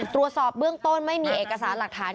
ตรวจสอบเบื้องต้นไม่มีเอกสารหลักฐาน